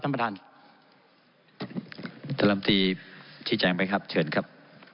ท่านประธานธรรมตีชี้แจงไปครับเชิญครับ